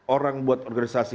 orang buat organisasi